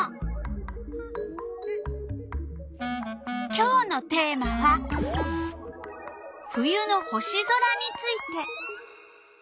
今日のテーマは「冬の星空」について。